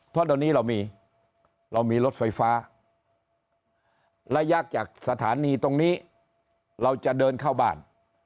เพราะเดี๋ยวนี้เรามีเรามีรถไฟฟ้าระยะจากสถานีตรงนี้เราจะเดินเข้าบ้าน